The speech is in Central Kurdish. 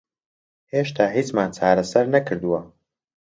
هێشتا هیچمان چارەسەر نەکردووە.